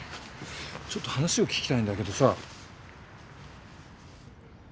ちょっと話を聞きたいんだけどさ。